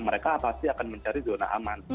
mereka pasti akan mencari zona aman